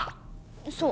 そう。